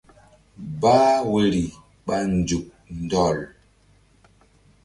Bah woyri ɓa nzuk ɗɔl.